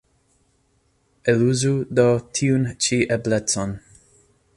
Eluzu do tiun ĉi eblecon.